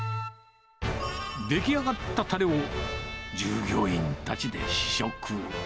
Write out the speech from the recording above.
出来上がったたれを、従業員たちで試食。